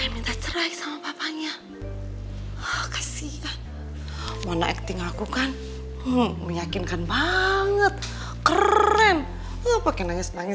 minta cerai sama papanya kasihan mono acting aku kan meyakinkan banget keren wah pakai nangis nangis